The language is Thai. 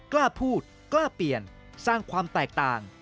กล้าพูดกล้าเปลี่ยนสร้างความแตกต่าง